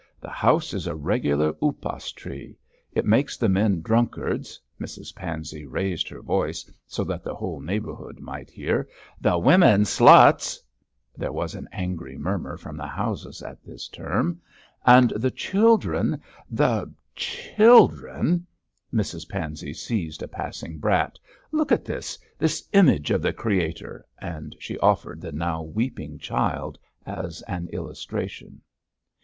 The house is a regular upas tree. It makes the men drunkards' Mrs Pansey raised her voice so that the whole neighbourhood might hear 'the women sluts' there was an angry murmur from the houses at this term 'and the children the children ' Mrs Pansey seized a passing brat. 'Look at this this image of the Creator,' and she offered the now weeping child as an illustration.